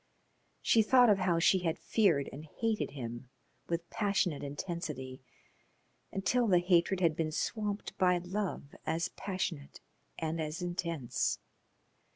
She thought of how she had feared and hated him with passionate intensity, until the hatred had been swamped by love as passionate and as intense.